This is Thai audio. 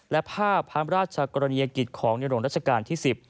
และภาพพันธ์ราชกรณียกิจของในโรงราชการที่๑๐